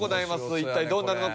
一体どうなるのか？